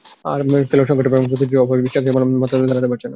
খেলোয়াড়-সংকট এবং প্রস্তুতির অভাবেই শেখ জামাল মাথা তুলে দাঁড়াতে পারছে না।